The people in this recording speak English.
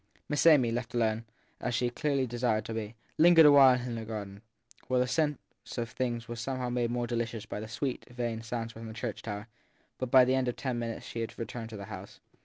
Miss Amy, left alone, as she clearly desired to be, lingered awhile in the garden, where the sense of things was somehow made still more delicious by the sweet, vain sounds from the church tower ; but by the end of ten minutes she had returned to the house.